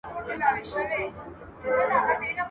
چي مېرمني يې آغازي كړې پوښتني !.